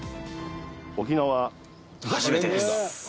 沖縄初めて？